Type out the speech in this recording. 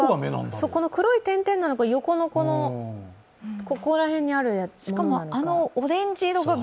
その黒い点々なのか、横のここら辺にあるものなのか。